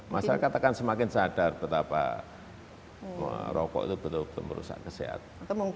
masyarakat akan semakin sadar betapa merokok itu betul betul merusak kesehatan